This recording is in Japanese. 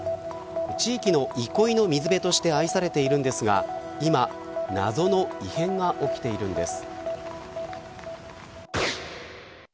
地域の憩いの水辺として愛されているんですが今、謎の異変が起きているんです。